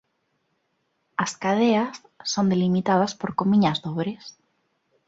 As cadeas son delimitadas por comiñas dobres.